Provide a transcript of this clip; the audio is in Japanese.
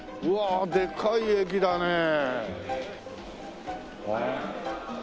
うわあでかい駅だね。